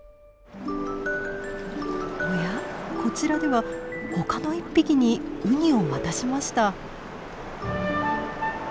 おやこちらでは他の１匹にウニを渡しました。